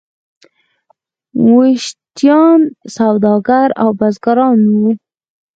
ویشیان سوداګر او بزګران وو.